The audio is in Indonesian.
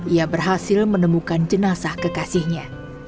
ia berhasil menemukan jenazah kekasihnya